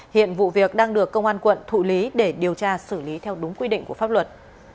hiện vụ việc đang được công an quận thụ lý để điều tra xử lý theo đúng quy định của pháp luật